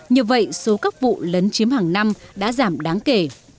như vậy số các vụ lấn chiếm hàng năm đã giảm đáng kể